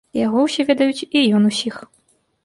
Яго ўсе ведаюць і ён усіх.